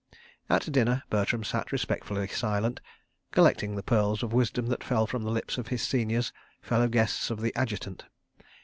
At dinner Bertram sat respectfully silent, collecting the pearls of wisdom that fell from the lips of his seniors, fellow guests of the Adjutant.